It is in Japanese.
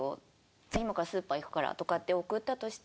「じゃあ今からスーパー行くから」とかって送ったとして。